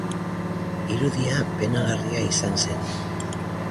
Irudia penagarria izan zen.